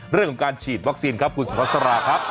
เรื่องของการฉีดวัคซีนครับคุณสุภาษาราครับ